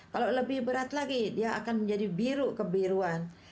kalau lebih berat lagi dia akan menjadi biru kebiruan